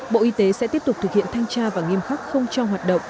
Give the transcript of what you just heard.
bộ y tế sẽ tiếp tục thực hiện thanh tra và nghiêm khắc không cho hoạt động